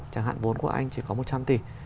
chẳng hạn vốn của anh chỉ có một trăm linh tỷ